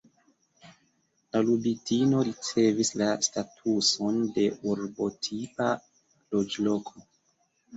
La Lubitino ricevis la statuson de urbotipa loĝloko.